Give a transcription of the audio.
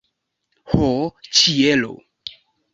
Ho, ĉielo!